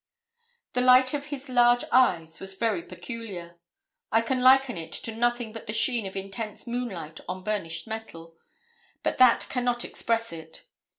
The light of his large eyes was very peculiar. I can liken it to nothing but the sheen of intense moonlight on burnished metal. But that cannot express it.